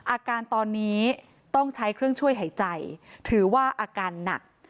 อาการตอนนี้ต้องใช้เครื่องช่วยหายใจถือว่าอาการหนัก